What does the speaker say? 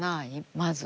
まず。